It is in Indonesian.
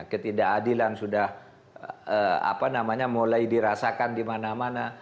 ketidakadilan sudah mulai dirasakan dimana mana